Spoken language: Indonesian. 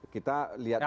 kita lihat juga